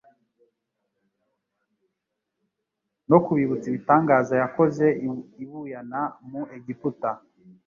no kubibutsa ibitangaza yakoze ibuyana mu Egiputa.